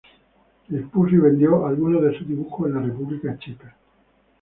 Expuso y vendió algunos de sus dibujos en la República Checa.